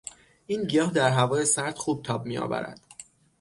این گیاه در هوای سرد خوب تاب میآورد.